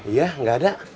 iya gak ada